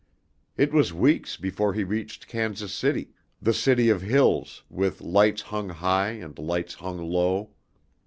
It was weeks before he reached Kansas City, the city of hills, with lights hung high and lights hung low.